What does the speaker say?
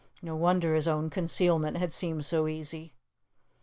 No wonder his own concealment had seemed so easy.